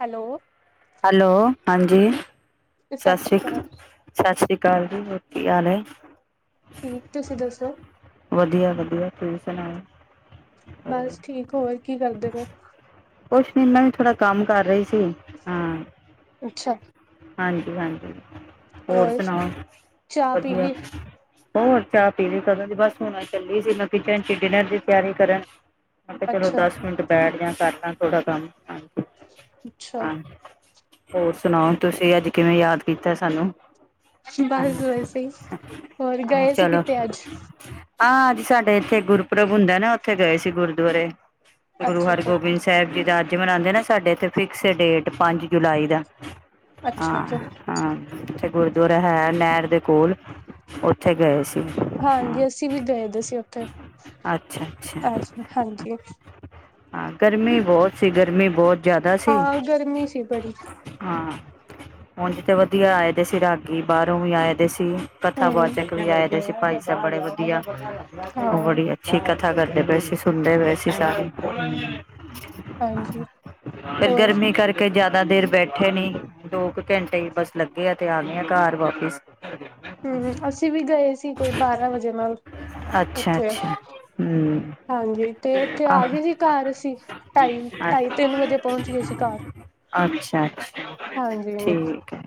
Hello hello, ਹਾਂਜੀ ਸਤਿ ਸ੍ਰੀ ਅਕਾਲ, ਸਤਿ ਸ੍ਰੀ ਅਕਾਲ ਜੀ ਹੋਰ ਕੀ ਹਾਲ ਹੈ? ਠੀਕ, ਤੁਸੀਂ ਦੱਸੋ? ਵਧੀਆ, ਵਧੀਆ ਤੁਸੀਂ ਸੁਣਾਓ ਬਸ ਠੀਕ, ਹੋਰ ਕੀ ਕਰਦੇ ਪਏ? ਕੁਛ ਨੀ, ਮੈਂ ਵੀ ਥੋੜਾ ਕੰਮ ਕਰ ਰਹੀ ਸੀ, ਹਾਂ ਅੱਛਾ ਹਾਂਜੀ, ਹਾਂਜੀ, ਹੋਰ ਸੁਣਾਓ ਚਾਹ ਪੀ ਵਧੀਆ? ਲਈ? ਹੋਰ ਚਾਹ ਪੀ ਲਈ ਕਦੋਂ ਦੀ, ਬਸ ਹੁਣ ਚੱਲੀ ਸੀ ਮੈਂ ਕਿਚਨ 'ਚ ਡਿਨਰ ਦੀ ਤਿਆਰੀ ਕਰਨ। ਮੈਂ ਕਿਹਾ ਚਲੋ ਅੱਛਾ ਦਸ ਮਿੰਟ ਬੈਠ ਜਾ, ਕਰ ਲਾ ਥੋੜਾ ਕੰਮ। ਹਾਂਜੀ- ਅੱਛਾ ਹਾਂਜੀ ਹੋਰ ਸੁਣਾਓ, ਤੁਸੀਂ ਅੱਜ ਕਿਵੇਂ ਯਾਦ ਕੀਤਾ ਸਾਨੂੰ ਬਸ ਵੈਸੇ ਹੀ, ਹੋਰ ਹਾਂ ਗਏ ਸੀ ਚਲੋ ਕਿਤੇ ਅੱਜ? ਹਾਂ ਅੱਜ ਸਾਡੇ ਇੱਥੇ ਗੁਰਪੁਰਬ ਹੁੰਦਾ ਨਾ, ਉੱਥੇ ਗਏ ਸੀ ਗੁਰਦੁਆਰੇ ਗੁਰੂ ਅੱਛਾ ਅੱਛਾ ਹਰਗੋਬਿੰਦ ਸਾਹਿਬ ਜੀ ਦਾ ਅੱਜ ਮਨਾਉਂਦੇ ਨਾ ਸਾਡੇ ਇੱਥੇ ਫਿਕਸ ਡੇਟ ਪੰਜ ਜੁਲਾਈ ਦਾ ਅੱਛਾ ਆਹ ਅੱਛਾ ਹਾਂ, ਉੱਥੇ ਗੁਰਦੁਆਰਾ ਹੈ ਨਹਿਰ ਦੇ ਕੋਲ, ਉੱਥੇ ਗਏ ਸੀ। ਹਾਂ ਹਾਂਜੀ, ਅਸੀਂ ਵੀ ਗਏ ਦੇ ਸੀ ਉੱਥੇ, ਅੱਛਾ ਹਾਂਜੀ ਹਾਂ, ਗਰਮੀ ਬਹੁਤ ਸੀ, ਗਰਮੀ ਬਹੁਤ ਜ਼ਿਆਦਾ ਸੀ' ਹਾਂ ਗਰਮੀ ਸੀ ਬੜੀ ਹਾਂ' ਉਂਜ ਤਾਂ ਵਧੀਆ ਆਏ ਦੇ ਸੀ ਰਾਗੀ ਬਾਹਰੋਂ ਵੀ ਆਏ ਦੇ ਸੀ ਕਥਾ ਹੂੰ ਵਚਕ ਵੀ ਆਏ। ਜੈਸੇ ਭਾਈ ਸਾਹਿਬ ਬੜੇ ਵਧੀਆ, ਉਹ ਹਾਂ ਬੜੀ ਅੱਛਾ ਕਥਾ ਕਰਦੇ ਪਏ ਸੀ, ਸੁਣਦੇ ਪਏ ਸੀ ਸਾਰੇ ਹਾਂਜੀ ਇਹ ਹੋਰ ਗਰਮੀ ਕਰਕੇ ਜ਼ਿਆਦਾ ਦੇਰ ਬੈਠੇ ਨੀ। ਦੋ ਕੁ ਘੰਟੇ ਹੀ ਬੱਸ ਲੱਗੇ ਆ। ਤੇ ਆ ਗਈਆਂ ਘਰ ਵਾਪਿਸ। ਹਮ, ਅਸੀਂ ਵੀ ਗਏ ਸੀ। ਕੋਈ ਬਾਰਾਂ ਵਜੇ ਨਾਲ ਅੱਛਾ ਉੱਥੇ। ਅੱਛਾ ਹੂੰ ਹਾਂਜੀ, ਤੇ ਇੱਥੇ ਆਹ ਆ ਗਏ ਸੀ ਘਰ ਅਸੀਂ। ਢਾਈ ਢਾਈ ਤਿੰਨ ਵਜੇ ਪਹੁੰਚ ਗਏ ਸੀ ਘਰ [unintelligible] ਅੱਛਾ, ਹਾਂਜੀ, ਠੀਕ ਹੈ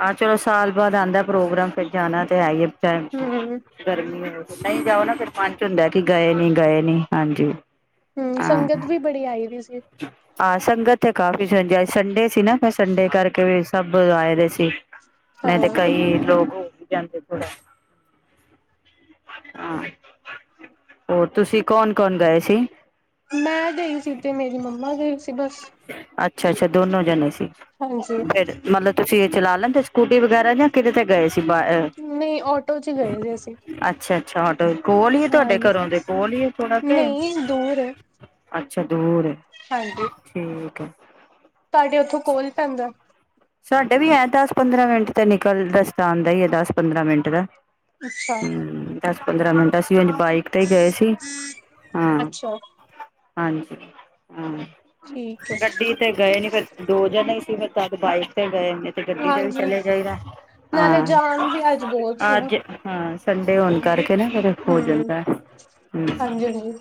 ਆਹ, ਚਲੋ ਸਾਲ ਬਾਅਦ ਆਂਦਾ ਪ੍ਰੋਗਰਾਮ, ਫਿਰ ਜਾਣਾ ਤੇ ਹੈ ਹੀ। ਹੂੰ, ਗਰਮੀ, ਨਹੀਂ ਜਾਓ ਨਾ ਫਿਰ ਮਨ ਚ ਹੁੰਦਾ ਕਿ ਗਏ ਨੀ ਗਏ ਨੀ। ਹਾਂਜੀ ਹਮ, ਸੰਗਤ ਵੀ ਬੜੀ ਆਈ ਹੋਈ ਸੀ। ਆਹ ਸੰਗਤ ਤੇ ਕਾਫੀ ਸੀ। ਸੰਡੇ ਸੀ ਨਾ, ਫਿਰ ਸੰਡੇ ਕਰਕੇ ਵੀ ਸਭ ਆਏ ਹੋਏ ਸੀ। ਮੈਂ ਨਹੀਂ ਤੇ ਹਾਂ, ਕਈ ਲੋਕ ਹੋ ਵੀ ਜਾਂਦੇ ਥੋੜਾ। ਹਾਂ, ਹੋਰ ਤੁਸੀਂ ਕੌਣ ਕੌਣ ਗਏ ਸੀ? ਮੈਂ ਗਈ ਸੀ, ਤੇ ਮੇਰੀ ਮੰਮਾ ਗਈ ਸੀ ਬਸ। ਅੱਛਾ-ਅੱਛਾ, ਦੋਨੋ ਜਣੇ ਸੀ। ਹਾਂਜੀ। ਫਿਰ ਮਤਲਬ, ਤੁਸੀਂ ਇਹ ਚਲਾ ਲੈਦੇ ਸਕੂਟੀ ਵਗੈਰਾ ਜਾਂ ਕਿਦੇ ਤੇ ਗਏ ਸੀ। ਬ ਨਹੀਂ ਆਟੋ ਚ ਗਏ ਹੋਏ ਸੀ। ਅੱਛਾ- ਅੱਛਾ ਆਟੋ ਕੋਲ ਹੀ ਤੁਹਾਡੇ ਹਾਂਜੀ। ਘਰੋਂ ਦੇ ਕੋਲ ਹੀ ਥੋੜਾ ਕੇ, ਨਹੀਂ ਦੂਰ ਏ ਅੱਛਾ, ਦੂਰ ਹੈ। ਹਾਂਜੀ। ਠੀਕ ਹੈ। ਤੁਹਾਡੇ ਉੱਥੋਂ ਕੋਲ ਪੈਂਦਾ? ਸਾਡੇ ਵੀ ਹੈ ਤਾਂ ਦਸ ਪੰਦਰਾਂ ਮਿੰਟ ਤੇ ਨਿਕਲ ਰਸਤਾ ਆਉਂਦਾ ਹੀ ਹੈ। ਦਸ ਪੰਦਰਾਂ ਮਿੰਟ ਦਾ, ਅੱਛਾ। ਹੂੰ ਦਸ ਪੰਦਰਾਂ ਮਿੰਟਾਂ ਸੀ। ਅੱਜ ਬਾਈਕ ਤੇ ਹੀ ਗਏ ਸੀ ' ਹਾਂ' ਅੱਛਾ ਹਾਂਜੀ ਹਾਂ। ਠੀਕ ਏ। ਗੱਡੀ ਤੇ ਗਏ ਨੀ ਫਿਰ ਦੋ ਜਣੇ ਸੀ, ਫਿਰ ਤਦ ਬਾਈਕ ਤੇ ਗਏ ਨੇ! ਗੱਡੀ ਤੇ ਵੀ ਹਾਂਜੀ ਚਲੇ ਜਾਈਦਾ ਨਾਲੇ ਹਾਂ ਜਾਮ ਵੀ ਅੱਜ ਬਹੁਤ ਸੀ ਨਾ। ਅੱਜ, ਹਾਂ ਸੰਡੇ ਹੋਣ ਕਰਕੇ ਨਾ ਫਿਰ ਹੋ ਹੂੰ ਜਾਂਦਾ ਹਮ। ਹਾਂਜੀ ਹਾਂਜੀ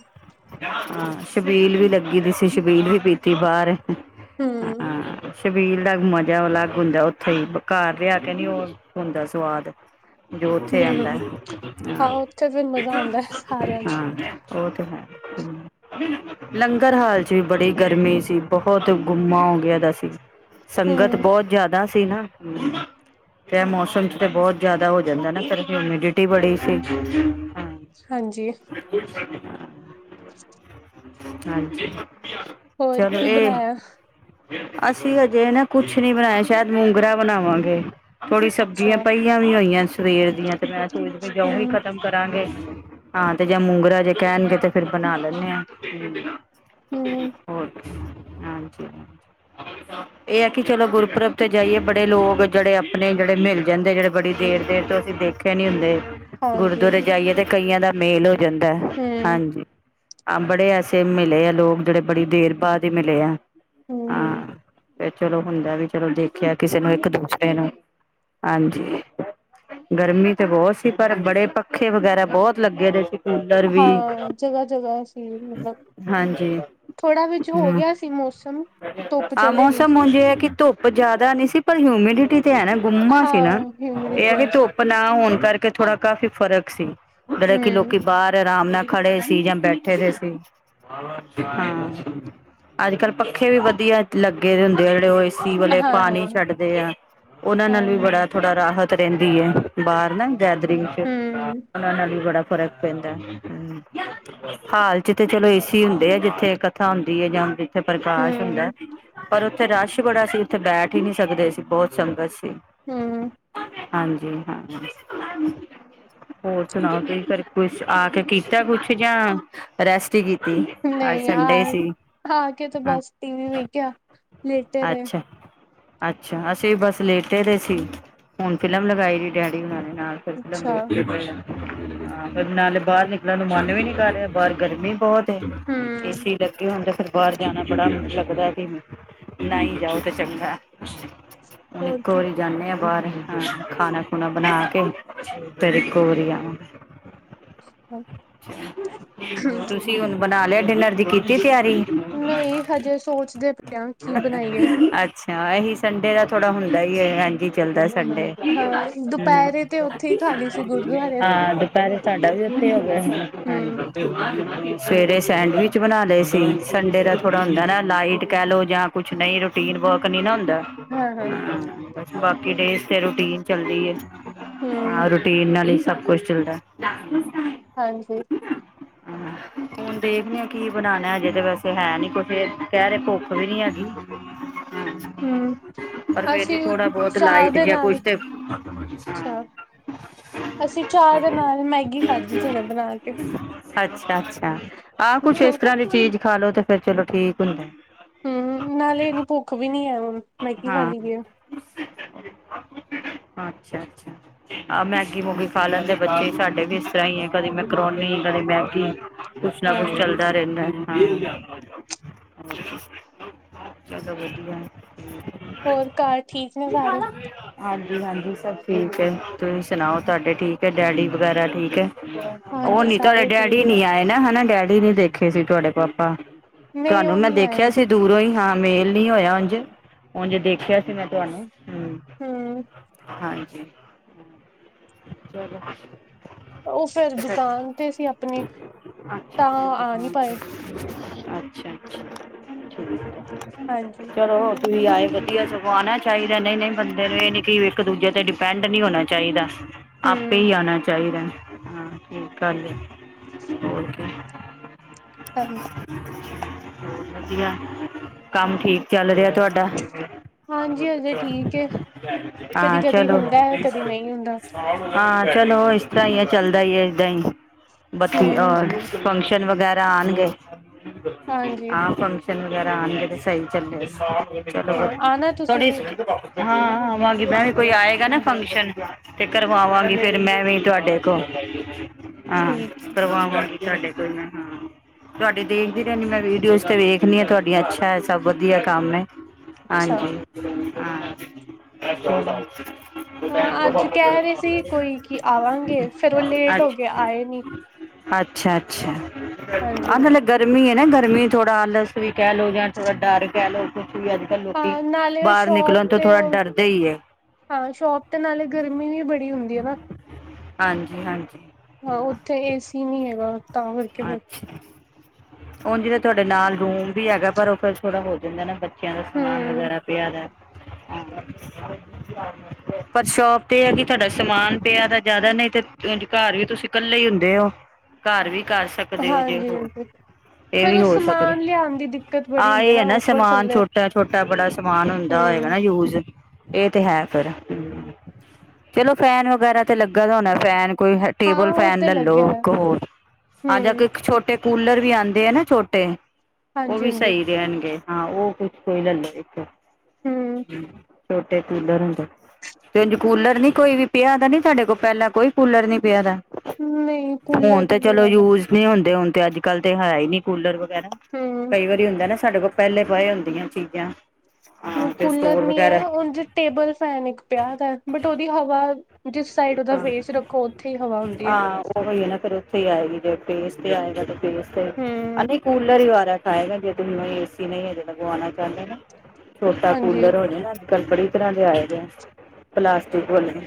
ਹਾਂ, ਸ਼ਬੀਲ ਵੀ ਲੱਗੀ ਦੀ ਸੀ ਸ਼ਬੀਲ ਵੀ ਪੀਤੀ ਬਾਹਰ। ਹੂੰ ਸ਼ਬੀਲ ਦਾ ਮਜ਼ਾ ਅਲੱਗ ਹੁੰਦਾ। ਉੱਥੇ ਹੀ, ਘਰ ਲਿਆ ਕੇ ਨੀ ਹੁੰਦਾ ਉਹ ਹੁੰਦਾ ਸਵਾਦ। ਜੋ ਉੱਥੇ ਆਂਦਾ ਹੂੰ ਹਾਂ, ਉੱਥੇ ਫਿਰ ਮਜ਼ਾ ਆਉਂਦਾ ਸਾਰਿਆਂ ਚ ਹਾਂ। ਉਹ ਤੇ ਹੈ। ਲੰਗਰ ਹਾਲ ਚ ਵੀ ਬੜੀ ਗਰਮੀ ਸੀ। ਬਹੁਤ ਗੁੰਮਾ ਹੋ ਗਿਆ ਦਾ ਸੀ। ਸੰਗਤ ਹੂੰ। ਬਹੁਤ ਜ਼ਿਆਦਾ ਸੀ। ਨਾ ਹੂ, ਤੇ ਮੌਸਮ ਚ ਤੇ ਬਹੁਤ ਜਿਆਦਾ ਹੋ ਜਾਂਦਾ। ਨਾ, ਫਿਰ ਹੈ ਹੂਮਿਡਿਟੀ ਬੜੀ ਸੀ। ਹ ਹਾਂਜੀ, ਬਿਲਕੁਈ ਫਰ [inaudible] [inaudible] ਹਾਂਜੀ, ਹੋਰ ਚਲੋ ਕੀ ਇਹ ਬਣਾਇਆ ਅਸੀਂ ਹਜੇ ਨਾ ਕੁਛ ਨੀ ਬਣਾਇਆ ਸ਼ਾਇਦ, ਮੂੰਗਰਾ ਬਣਾਵਾਂਗੇ। ਥੋੜੀ ਸਬਜ਼ੀਆਂ ਅੱਛਾ ਪਈ। ਈਆ ਵੀ ਹੋਈਆਂ ਸਵੇਰ ਦੀਆਂ ਤੇ ਮੈਂ ਜਾਓ ਵੀ ਹੂੰ ਖਤਮ। ਕਰਾਂਗੇ, ਹਾਂ ਤੇ ਜਾਂ ਮੂੰਗਰਾ ਜੇ ਕਹਿਣਗੇ ਤੇ ਫਿਰ ਬਣਾ ਦਿਨੇ ਆ। ਹੂੰ। ਹੋਰ ਦੱਸੋ, ਹਾਂਜੀ। ਹ ਇਹ ਹੈ, ਕਿ ਚਲੋ ਗੁਰਪੁਰਬ ਤੇ ਜਾਈਏ ਬੜੇ ਲੋਕ ਜਿਹੜੇ ਆਪਣੇ ਜਿਹੜੇ ਮਿਲ ਜਾਂਦੇ। ਜਿਹੜੇ ਬੜੀ ਦੇਰ ਦੇਰ ਤੋਂ ਅਸੀਂ ਦੇਖ। ਕਹਿੰਦੇ ਨੀ ਹੁੰਦੇ, ਹਾਂਜੀ ਗੁਰਦੁਆਰੇ ਜਾਈਏ ਤੇ ਕਈਆਂ ਦਾ ਮੇਲ ਹੋ ਜਾਂਦਾ ਹੂੰ ਹਾਂਜੀ। ਆ ਬੜੇ ਐਸੇ ਮਿਲੇ ਆ ਲੋਕ ਜਿਹੜੇ ਬੜੀ ਦੇਰ ਬਾਅਦ ਹੀ ਮਿਲੇ ਆ ਹੂੰ ਹੂੰ ਹਾਂ। ਫਿਰ, ਚਲੋ ਹੁੰਦਾ ਵੀ ਚਲੋ ਦੇਖਿਆ ਕਿਸੇ ਨੂੰ ਇੱਕ ਦੂਸਰੇ ਨੂੰ ਹਾਂਜੀ। ਗਰਮੀ ਤੇ ਬਹੁਤ ਸੀ। ਪਰ ਬੜੇ ਪੱਖੇ ਵਗੈਰਾ ਬਹੁਤ ਲੱਗੇ ਸੀ। ਕੂਲਰ ਵੀ ਹਾਂ ਜਗ੍ਹਾ ਜਗ੍ਹਾ ਸੀ ਮਤਲਬ ਹਾਂਜੀ। ਥੋੜਾ ਵਿਚ ਹੋ ਹਮ ਗਿਆ ਸੀ ਮੌਸਮ, ਧੁੱਪ ਚਲੇ ਗਈ ਸੀ। ਇਹ ਹੈ ਕਿ ਧੁੱਪ ਜਾਦਾ ਨੀ ਸੀ ਪਰ ਹਿਊਮਿਡਿਟੀ ਤੇ ਹੈ ਨਾ ਗੁੰਮਾ ਸੀ ਨਾ ਹਾਂ ਇਹ ਹੈ ਹਿਊਮਿਡਿਟੀ ਕਿ ਸੀ ਧੁੱਪ ਪ ਨਾ ਹੋਣ ਕਰਕੇ ਥੋੜਾ ਕਾਫ਼ੀ ਫ਼ਰਕ ਸੀ ਜਿਹੜਾ ਕਿ ਹੂੰ ਲੋਕੀ ਬਾਰ ਆਰਾਮ ਨਾਲ ਖੜੇ ਸੀ ਜਾਂ ਬੈਠੇ ਦੇ ਸੀ। ਹਾਂ ਅੱਜ ਕੱਲ ਪੱਖੇ ਵੀ ਵਧੀਆ ਲੱਗ ਲੱਗੇ ਦੇ ਹੁੰਦੇ ਆ ਜਿਹੜੇ ਉਹ ਏਸੀ ਵਾਲੇ ਹਾਂ ਹਾਂ ਪਾਣੀ ਛੱਡਦੇ ਆ ਉਹਨਾਂ ਹਾਂ ਨਾਲ ਵੀ ਹੂੰ ਬੜਾ ਥੋੜਾ ਰਾਹਤ ਰਹਿੰਦੀ ਹੈ ਬਾਰ ਨਾ ਗੈਦਰਿੰਗ ਚ ਉਹਨਾ ਨਾਲ ਵੀ ਬੜਾ ਫਰਕ ਪੈਂਦਾ। ਹੁ ਹਾਲ ਤੇ ਚਲੋਂ ਏਸੀ ਹੁੰਦੇ ਆ ਜਿੱਥੇ ਕਥਾ ਹੁੰਦੀ ਹੈ ਜਾ ਉਥੇ ਪ੍ਰਕਾਸ਼ ਹੁੰਦਾ ਹੂੰ ਪਰ ਉੱਥੇ ਰਸ਼ ਬੜਾ ਸੀ ਉੱਥੇ ਬੈਠ ਹੀ ਨੀ ਸਕਦੇ ਸੀ ਬਹੁਤ ਸੰਗਤ ਸੀ। ਹੁ ਹਾਂਜੀ-ਹਾਂਜੀ ਹੋਰ ਸੁਣਾਓ ਤੁਸੀ ਫੇਰ ਕੁਛ ਆ ਕੇ ਕੀਤਾ ਕੁਛ ਜਾ ਰੈਸਟ ਹੀ ਕੀਤੀ ਅੱਜ ਸੰਡੇ ਸੀ। ਖਾ ਕੇ ਤੇ ਹਾਂ ਬਸ ਟੀਵੀ ਵੇਖਿਆ। ਲੇਟੇ ਰਹੇ ਅੱਛਾ। ਅੱਛਾ ਅਸੀਂ ਬਸ ਲੇਟੇ ਦੇ ਸੀ ਹੁਣ ਫਿਲਮ ਲਗਾਈ ਰਹੀ ਡੈਡੀ ਹੋਣਾ ਨੇ ਨਾਲ। ਫੇਰ ਫਿਲਮ ਅੱਛਾ ਦੇਖਦੇ ਪਏ ਆ। ਹਾਂ, ਫੇਰ ਨਾਲੇ ਬਾਰ ਨਿਕਲਣ ਨੂੰ ਮਨ ਵੀ ਨੀ ਕਰ ਰਿਹਾ ਬਾਹਰ ਗਰਮੀ ਬੋਹਤ। ਹੂੰ ਏਸੀ ਲੱਗੇ ਹੋਣ ਤੇ ਫੇਰ ਬਾਰ ਜਾਣਾ ਬੜਾ ਲੱਗਦਾ [unintelligible] ਨਾ ਹੀ ਜਾਓ ਤਾਂ ਚੰਗਾ ਹੁਣ ਹੋਰ ਇੱਕੋ ਕੀ ਵਾਰੀ ਜਾਨੇ ਹਾਂ ਬਾਰ। ਹਾ ਖਾਣਾ-ਖੁਣਾ ਬਣਾ ਕੇ ਫੇਰ ਇਕੋ ਵਾਰੀ ਆਵਾ। ਤੁਸੀਂ ਹੁਣ ਬਣਾ ਲਿਆ ਡਿਨਰ ਦੀ ਕੀਤੀ ਤਿਆਰੀ। ਨਹੀਂ ਹਜੇ ਸੋਚਦੇ ਪਏ ਆ ਕੀ ਬਣਾਈਏ ਅੱਛਾ ਇਹੀ ਸੰਡੇ ਦਾ ਥੋੜਾ ਹੁੰਦਾ ਹੀ ਏ ਐਜ ਹੀ ਚੱਲਦਾ ਸੰਡੇ। ਹਾਂ, ਹਮ ਦੁਪਹਿਰੇ ਤੇ ਉੱਥੇ ਹੀ ਖਾ ਲਈ ਸੀ ਗੁਰਦੁਆਰੇ ਹਾਂ, ਦੁਪਹਿਰੇ ਸਾਡਾ ਵੀ ਉੱਥੇ ਹੋ ਗਿਆ ਹੂੰ [unintelligible] ਸਵੇਰੇ ਸੈਂਡਵਿਚ ਬਣਾ ਲਏ ਸੀ ਸੰਡੇ ਦਾ ਥੋੜਾ ਹੁੰਦਾ ਨਾ ਲਾਈਟ ਕਹਿ ਲੋ ਯਾ ਕੁਛ ਨਹੀਂ ਰੂਟੀਨ ਵਰਕ ਨੀ ਨਾ ਹੁੰਦਾ। ਹਾਂ ਹਾਂ ਬਾਕੀ ਡੇਜ਼ ਤੇ ਰੂਟੀਨ ਚੱਲਦੀ ਏ ਹੂੰ, ਹਾਂ ਰੂਟੀਨ ਨਾ ਹੀ ਸਭ ਕੁਛ ਚਲਦਾ। ਹ ਹਾਂਜੀ ਹੁਣ ਦੇਖਦੇ ਆ ਕੀ ਬਣਾਣਾ ਅਜੇ ਤੇ ਵੈਸੇ ਹੈ ਨੀ ਕੁਛ ਕਹਿ ਰਹੇ ਭੁ ਕ ਨੀ ਹੈਗੀ। ਹੂੰ, ਪਰ ਫੇਰ ਵੀ ਅਸੀਂ ਥੋੜਾ-ਬਹੁਤ ਚਾਹ ਲਾਈਟ ਦੇ ਗਿਆ ਨਾਲ ਕੁਛ ਤੇ, ਅੱਛਾ, ਹਾਂ। ਅਸੀਂ ਚਾਹ ਦੇ ਨਾਲ ਮੈਗੀ ਖਾਧੀ ਸੀ ਹੁਣੇ ਬਣਾ ਕੇ। ਅੱਛਾ-ਅੱਛਾ ਆਹ ਕੁਛ ਇਸ ਤਰ੍ਹਾਂ ਦੀ ਚੀਜ਼ ਖਾਾਲ ਲੋ ਤੇ ਫੇਰ ਚਲੋ ਠੀਕ ਹੁੰਦਾ। ਹੁ ਨਾਲੇ ਇਨੀ ਭੁੱਖ ਵੀ ਨੀ ਹੈ ਹੁਣ। ਮੈਗੀ ਖਾ ਹਾਂ। [inaudible] ਅੱਛਾ-ਅੱਛਾ। ਆ ਮੈਗੀ-ਮੂਗੀ ਖਾ ਲੈਂਦੇ ਬੱਚੇ ਸਾਡੇ ਵੀ ਇਸ ਤਰ੍ਹਾਂ ਹੀ ਹੈ ਕਦੇ ਮੈਕਰੋਨੀ, ਕਦੇ ਮੈਗੀ। ਕੁਛ ਨਾ ਹਾਂ, ਕੁੱਛ ਚੱਲਦਾ ਰਹਿੰਦਾ। ਹਾਂ ਚਲੋ ਵਧੀਆ। ਹੋਰ ਘਰ ਠੀਕ ਨੇ ਸਾਰੇ। ਹਾਂਜੀ-ਹਾਂਜੀ ਸਭ ਠੀਕ ਹੈ ਤੁਸੀਂ ਸੁਣਾਓ ਤੁਹਾਡੇ ਠੀਕ ਹੈ ਡੈਡੀ ਵਗੈਰਾ ਠੀਕ ਹੈ? ਉਹ ਹਾਂਜੀ, ਨੀ ਤੁਹਾਡੇ ਸਾਰੇ ਠੀਕ। ਡੈਡੀ ਨੀ ਆਏ ਨਾ ਹਨਾ ਡੈਡੀ ਨੀ ਦੇਖੇ ਸੀ ਤੁਹਾਡੇ ਪਾਪਾ। ਨਹੀਂ ਤੁਹਾਨੂੰ ਉਹ ਮੈਂ ਨਹੀਂ ਆਏ, ਦੇਖਿਆ ਸੀ ਦੂਰੋਂ ਹੀ ਹਾਂ ਮੇਲ ਨ ਹੋਇਆ ਉੰਝ। ਹੁਣ ਦੇਖਿਆ ਸੀ ਮੈਂ ਤੁਹਾਨੂੰ ਹਮ ਹੂੰ। ਹਾਂਜੀ। ਚਲੋ। ਉਹ ਫੇਰ ਦੁਕਾਨ ਤੇ ਸੀ ਆਪਣੀ, ਤਾਂ ਆ ਨਹੀਂ ਪਾਏ। ਅੱਛਾ, ਅੱਛਾ ਠੀਕ ਹਾਂਜੀ। ਏ ਚਲੋ। ਤੁਸੀਂ ਆਏ ਵਧੀਆ, ਸਗੌ ਆਉਣਾ ਚਾਹੀਦੈ ਨਹੀਂ, ਨਹੀਂ, ਬੰਦੇ ਨੂੰ ਇਹ ਨੀ ਕਿ, ਇੱਕ ਦੂਜੇ ਤੇ ਡਿਪੈਂਡ ਨਹੀਂ ਹੋਣਾ ਚਾਹੀਦਾ। ਆਪੇ ਹੂੰ, ਹੀ ਆਉਣਾ ਚਾਹੀਦੈ। ਹਾਂ, ਠੀਕ ਗੱਲ ਏ, ਹੋਰ ਕੀ। [unintelligible] [unintelligible] ਵਧੀਆ, ਕੰਮ ਠੀਕ ਚੱਲ ਰਿਐ ਤੁਹਾਡਾ। ਹਾਂਜੀ ਹਜੇ ਠੀਕ ਏ। [unintelligible] ਹਾਂ, ਕਦੀ-ਕਦੀ ਚਲੋ। ਹੁੰਦਾ, ਹੈ, ਕਦੀ ਨਹੀਂ ਹੁੰਦਾ। [unintelligible] ਹਾਂ, ਚਲੋ ਇਸ ਤਰ੍ਹਾਂ ਹੀ ਏ ਚੱਲਦਾ ਈ ਏ ਏਦਾਂ ਹੀ, ਬੱਤੀ ਹੂੰ, ਹੋਰ ਫੰਕ। [unintelligible] ਵਗੈਰਾ ਆਣਗੇ। ਹਾਂਜੀ [unintelligible] [unintelligible] ਵਗੈਰਾ ਆਣਗੇ ਤੇ ਸਹੀ ਚੱਲੇ [inaudible] ਚਲੋ ਹਾਂ ਆਣਾ ਤੁਸੀਂ 'ਥੋੜੀ ਵੀ [unintelligible] ਹਾਂ, ਆਵਾਂ ਗੀ ਵੀ ਕੋਈ ਆਏਗਾ ਨਾ ਫੰਕਸ਼ਨ। ਤੇ ਕਰਵਾਵਾਂਗੀ ਫੇਰ ਮੈਂ ਵੀ ਤੁਹਾਡੇ ਕੋਲ, ਹਾਂ, ਠੀਕ ਏ। ਕਰਵਾਵਾਂਗੀ। ਤੁਹਾਡੇ ਕੋਈ ਮੈਂ ਹਾਂ। ਤੁਹਾਡੀੇ ਦੇਖਦੀ ਰੈਹਣੀ ਮੈਂ ਵੀਡੀਓਜ਼ ਤੇ ਵੇਖਣੀ ਆ ਤੁਹਾਡੀਆਂ, ਅੱਛਾ ਹੈ, ਸਭ ਵਧੀਆ ਕੰਮ ਹੈ। ਅੱਛਾ, ਹਾਂਜੀ। [unintelligible] [unintelligible] [unintelligible] ਹਾਂ ਅੱਜ ਕਹਿ ਰਹੇ ਸੀ ਕੋਈ ਕਿ ਆਵਾਂਗੇ ਫੇਰ ਉਹ ਲੇਟ ਅੱਜ ਹੋ ਗਏ ਆਏ ਨੀ। ਅੱਛਾ, ਅੱਛਾ। ਹਾਂਜੀ, [unintelligible] ਗਰਮੀ ਐ ਨਾ ਗਰਮੀ, ਥੋੜਾ ਆਲਸ ਵੀ ਕਹਿ ਲਓ ਜਾਂ ਥੋੜਾ ਡਰ ਕਹਿ ਲਓ, ਕੁਛ ਵੀ ਅੱਜ। ਕੱਲ੍ਹ ਲੋਕੀ ਅ ਨਾਲੇ ਬਾਹਰ ਸ਼ੋਪ ਨਿਕਲਣ ਤੋਂ ਤੇ ਥੋੜਾ ਉਹ। ਡਰਦੇ ਹੀ ਹੈ ਅ ਸ਼ੋਪ ਤੇ, ਨਾਲੇ ਗਰਮੀ ਵੀ ਬੜੀ ਹੁੰਦੀ ਏ ਨਾ। ਹਾਂਜੀ, ਹਾਂਜੀ। ਹਾਂ ਉੱਥੇ ਏਸੀ ਨਹੀਂ ਹੈਗਾ। ਤਾਂ ਕਰਕੇ ਫਿਰ ਅੱਛਾ। ਉੰਝ ਤੇ, ਤੁਹਾਡੇ ਨਾਲ ਰੂਮ ਵੀ ਹੈਗਾ ਪਰ ਉਹ ਫੇਰ ਥੋੜ੍ਹਾ ਹੋ ਜਾਂਦਾ ਨਾ ਬਟ। ਕਹਿੰਦਾ, ਸਮਾਨ ਹੂੰ, ਵਗੈਰਾ ਪਿਆ ਦੈ। [inaudible] ਪਰ ਸ਼ੋਪ ਤੇ, ਏ ਭੀ ਤੁਹਾਡਾ ਸਮਾਨ ਪਿਆ ਤਾਂ ਜ਼ਿਆਦਾ ਨਹੀਂ, ਤੇ ਘਰ ਵੀ ਤੁਸੀਂ। ਕੱਲੇ ਹੀ ਹੁੰਦੇ ਹੋ, ਘਰ ਵੀ ਕਰ ਸਕ। ਹਾਂਜੀ, ਅੰਕਲ। ਇਹ ਵੀ ਹੋ ਸਕਦੈ, ਬੜੀ ਆ ਹੁੰਦੀ ਇਹ ਐ ਨਾ ਉੱਪਰ ਸਮਾਨ ਥੱਲੇ ਛੋਟਾ, ਛੋਟਾ ਬੜਾ। ਸਮਾਨ ਹੁੰਦਾ ਹੋਏਗਾ ਹੂੰ। ਨਾ ਯੂਜ। ਇਹ ਤੇ ਹੈ ਫਿਰ, ਚਲੋ ਫੈਨ ਵਗੈਰਾ ਤੇ ਲੱਗਾ ਦਾ ਹੋਣਾ, ਫੈਨ ਕੋਈ ਹੈ। ਹਾਂ ਟੇਬਲ ਉਹ ਫੈਨ ਤੇ ਲੈ ਲੱਗਿਆ ਲਉ, ਇੱਕ ਹੋਰ। ਆਜਾ ਹੂੰ, ਕੇ ਛੋਟੇ ਕੂਲਰ ਵੀ ਆਉਂਦੇ ਆ ਨਾ ਛੋਟੇ, ਉਹ ਵੀ ਹਾਂਜੀ-ਹਾਂਜੀ ਸਹੀ ਜੇ ਰਹਿਣਗੇ। ਹਾਂ ਉਹ ਕੁਛ, ਕੋਈ ਲੈ ਲਓ ਇੱਕ, ਹੂੰ। ਛੋਟੇ ਕੂਲਰ ਹੁੰਦੇ। ਤੇ ਇੰਝ ਕੂਲਰ ਨੀ ਕੋਈ ਵੀ ਪਿਆ ਦਾ ਨੀ ਸਾਡੇ ਕੋਲ ਪਹਿਲਾਂ, ਕੋਈ ਕੂਲਰ ਨੀ ਪਿਆ ਦਾ। ਨਹੀਂ, ਕੂਲਰ ਹੁਣ ਤੇ ਨਹੀਂ ਚਲੋ ਹੈਗਾ। ਯੂਜ ਨਹੀਂ ਹੁੰਦੇ ਹੁਣ ਤੇ ਅੱਜ ਕੱਲ ਤੇ, ਹੈ ਹੀ ਨੀ ਕੂਲਰ ਵਗੈਰਾ, ਹੂੰ। ਕਈ ਵਾਰੀ ਹੁੰਦਾ ਏ ਨਾ ਸਾਡੇ ਕੋਲ ਪਹਿਲੇ। [unintelligible] ਹੁੰਦੀਆਂ ਚੀਜ਼ਾਂ। ਹਾਂ ਤੇ ਕੂਲਰ ਸਟੋਰ ਨੀ ਵਗੈਰਾ ਹੈ, ਉੰਝ ਟੇਬਲ ਫੈਨ ਇੱਕ ਪਿਆ ਦਾ ਬਟ ਉਹਦੀ ਹਵਾ। ਜਿਸ ਸਾਈਡ ਉਹਦਾ ਫੇਸ ਰੱਖੋ, ਉੱਥੇ ਹੀ ਹਵਾ ਹੁੰਦੀ ਏ। ਓਹੋ ਹੀ ਏ ਨਾ, ਉੱਥੇ ਹੀ ਆਏਗੀ ਜੇ ਫੇਸ ਤੇ ਆਏਗਾ। ਫੇਸ ਤੇ, ਹਮ ਹਾਂਜੀ, ਕੂਲਰ ਹੀ ਵਾਰਾ ਖਾਏਗਾ ਜੇ। ਨਹੀਂ ਏਸੀ ਨਹੀਂ ਹਜੇ ਲਗਵਾਉਣਾ ਚਾਹੁੰਦੇ ਨਾ, ਛੋਟਾ ਹਾਂਜੀ ਕੂਲਰ ਹੋ ਜਏ ਨਾ ਹਜੇ। ਪਰ ਬੜੀ ਤਰਾਂ ਦੇ ਆਏ ਜੇ, ਪਲਾਸਟਿਕ ਵਾਲੇ,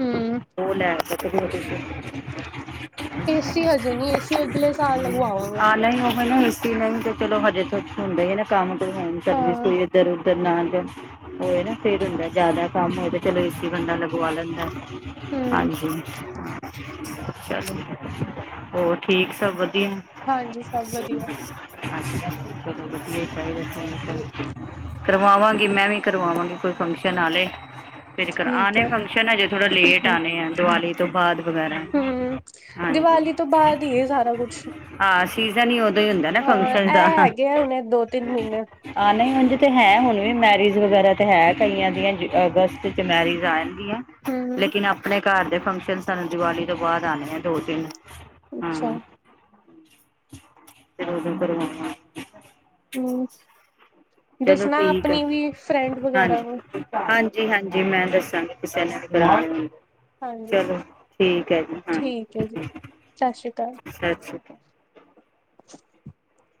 ਹਮ ਉਹ ਲੈ। [inaudible] [unintelligible] [unintelligible] ਏਸੀ ਹਜੇ ਨੀ ਏਸੀ ਅਗਲੇ ਸਾਲ ਲਗਵਾਵਾਂਗੇ ਆਹ ਨਹੀਂ [unintelligible] ਕਿਵੇ ਵੀ ਤੇ ਚਲੋ ਹਜੇ ਕੁਝ ਹੁੰਦੇ ਹੀ ਏ ਨਾ ਕੰਮ ਕੋਈ ਹੋਮ ਸਰਵਿਸ ਹਾਂ ਕੋਈ ਇੱਧਰ ਉਧਰ ਨਾ ਜਾਓ। ਹੋਏ ਨਾ ਫੇਰ ਹੁੰਦੈ ਜ਼ਿਆਦਾ ਕੰਮ ਹੋ ਜਏ ਚਲੋ ਏ ਸੀ ਬੰਦਾ ਲਗਵਾ ਲੈਂਦਾ। ਹਮ ਹਾਂਜੀ। ਹੋਰ ਠੀਕ ਸਭ ਵਧੀਆ? ਹਾਂਜੀ ਸਭ ਵਧੀਆ ਹਾਂਜੀ ਚਲੋ ਵਧੀਆ ਹੀ ਚਾਹੀਦਾ [unintelligible] ਕਰਵਾਵਾਂਗੀ, ਮੈਂ ਵੀ ਕਰਵਾਵਾਂਗੀ ਕੋਈ ਫੰਕਸ਼ਨ ਆਲੇ ਫੇਰ ਠੀਕ ਆਨੇ ਹੈ ਫੰਕਸ਼ਨ ਹਜੇ ਥੋੜਾ ਲੇਟ ਆਣੇ ਆ ਦੀਵਾਲੀ ਉਸ ਤੋਂ ਬਾਅਦ ਵਗੈਰਾ, ਹਮ ਹਾਂਜੀ। ਦੀਵਾਲੀ ਤੋਂ ਬਾਅਦ ਹੀ ਹੈ ਸਾਰਾ ਕੁਛ ਹਾਂ ਸੀਜ਼ਨ ਹੀ ਉਦੋਂ ਹੀ ਹੁੰਦਾ ਨਾ ਹਾਂ ਫੰਕਸ਼ਨ ਦਾ। ਇਹ ਹੈਗੇ ਆ ਹੁਣੇ ਦੋ ਤਿੰਨ ਮਹੀਨੇ ਆ ਨਈ ੳਝ ਤੇ ਹੈ, ਹੁਣ ਵੀ ਮੈਰਿਜ ਵਗੈਰਾ ਤੇ ਹੈ। ਕਈਆਂ ਦੀਆਂ ਅਗਸਤ ਚ ਮੈਰਿਜ ਆਣਗੀਆਂ। ਹਮ ਲੇਕਿਨ ਆਪਣੇ ਘਰ ਦੇ ਫੰਕਸ਼ਨ ਸਾਨੰ ਦੀਵਾਲੀ ਤੋਂ ਬਾਅਦ ਆਣੇ ਆ, ਦੋ-ਤਿੰਨ ਹਾਂ ਅੱਛਾ ਫੇਰ ਵਜਨ ਕਰਵਾਵਾਂ। ਹੂੰ, ਚਲੋ ਦੱਸਣਾ ਆਪਣੀ ਵੀ ਫਰੈਂਡ ਵਗੈਰਾ ਨੂੰ। ਹਾਂਜੀ-ਹਾਂਜੀ, ਮੈਂ ਦੱਸਾਂਗੀ ਕਿਸੇ ਨੇ ਕਰਾਣੇ ਹੋਣਗੇ ਤਾਂ ਹਾਂਜੀ ਚਲੋ ਠੀਕ ਐ ਜੀ ਹਾਂ ਠੀਕ ਹੈ ਜੀ ਸਤਿ ਸ਼੍ਰੀ ਅਕਾਲ ਸਤ [inaudible]